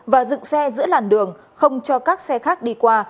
và dựng xe giữa làn đường không cho các xe khác đi qua